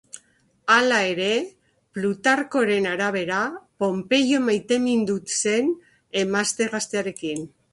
Hala ere, Plutarkoren arabera, Ponpeio maitemindu zen emazte gaztearekin.